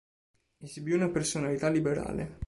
Esibì una personalità liberale.